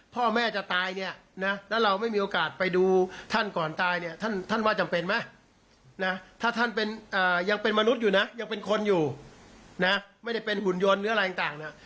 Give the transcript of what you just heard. พี่บุญยนต์หรืออะไรต่างน่ะ